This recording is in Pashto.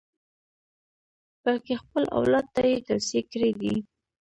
بلکې خپل اولاد ته یې توصیې کړې دي.